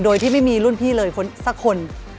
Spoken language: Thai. โดยที่ไม่มีรุ่นพี่เลยสักคน